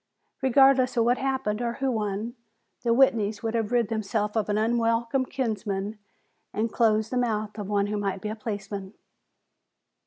Regardless of what happened or who won, the Whitneys would have rid themselves of an unwelcome kinsman and closed the mouth of one who might be a policeman.